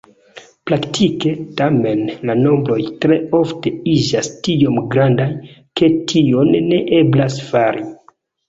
Praktike, tamen, la nombroj tre ofte iĝas tiom grandaj, ke tion ne eblas fari.